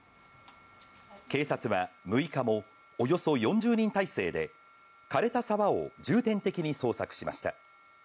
警察は６日も、およそ４０人態勢で、かれた沢を重点的に捜索しました。